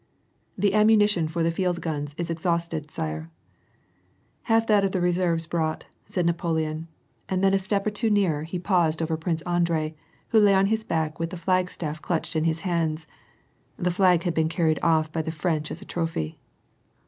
<< The ammunition for the field guns is exhausted, sire !"'' Have that of the reserves brought," * said Napoleon, anl then a step or two nearer, he paused over Prince Andrei, w. lay on his back with the flagstaff clutched in his hands ( flag had been carried off by the French as a trophy).